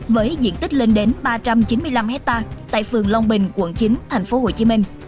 với diện tích lên đến ba trăm chín mươi năm hectare tại phường long bình quận chín thành phố hồ chí minh